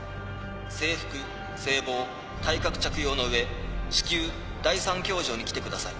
制服制帽帯革着用の上至急第３教場に来てください。